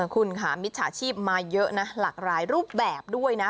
คุณค่ะมิจฉาชีพมาเยอะนะหลากหลายรูปแบบด้วยนะ